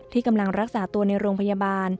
ที่กำลังรักษาตัวในโรงพยาบาล